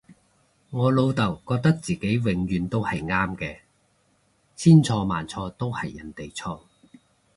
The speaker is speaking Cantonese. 我老竇覺得自己永遠都係啱嘅，千錯萬錯都係人哋錯